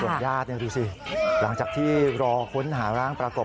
ส่วนญาตินี่ดูสิหลังจากที่รอค้นหาร้างปรากฏ